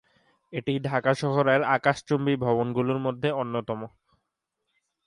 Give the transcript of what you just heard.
এটি ঢাকা শহরের আকাশচুম্বী ভবনগুলোর মধ্যে অন্যতম।